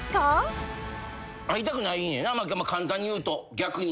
会いたくないんやな簡単に言うと逆に。